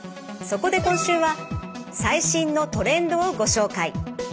そこで今週は最新のトレンドをご紹介。